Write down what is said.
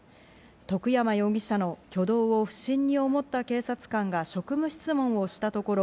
徳山容疑者の挙動を不審に思った警察官が職務質問をしたところ、